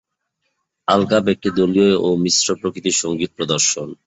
আলকাপ একটি দলীয় ও মিশ্র প্রকৃতির সঙ্গীত প্রদর্শন।